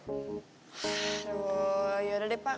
aduh yaudah deh pak